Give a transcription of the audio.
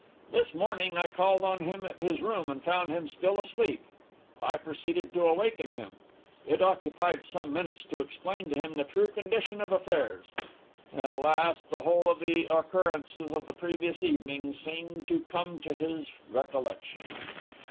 This morning I called on him at his room, and found him still asleep. I proceeded to awaken him. It occupied some minutes to explain to him the true condition of affairs. At last, the whole of the occurrences of the previous evening seemed to come to his recollection.